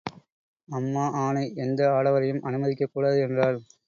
அம்மா ஆணை, எந்த ஆடவரையும் அனுமதிக்கக் கூடாது என்றாள்.